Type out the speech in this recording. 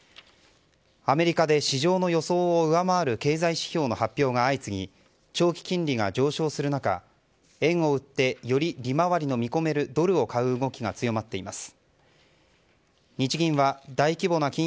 アメリカで市場の予想を上回る経済指標の発表が相次ぎ長期金利が上昇する中円を売ってより利回りの見込めるドルを買う動きが強まっています。